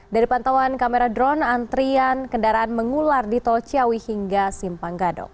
dari pantauan kamera drone antrian kendaraan mengular di tol ciawi hingga simpang gadok